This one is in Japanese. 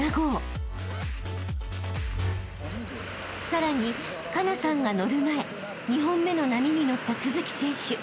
［さらに佳那さんが乗る前２本目の波に乗った都築選手］